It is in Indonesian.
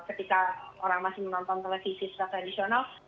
ketika orang masih menonton televisi secara tradisional